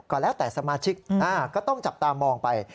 แล้วแต่สมาชิกก็ต้องจับตามองไป